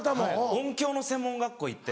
音響の専門学校行って。